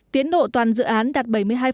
tiến độ toàn dự án đạt bảy mươi hai